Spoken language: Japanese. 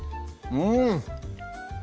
うん！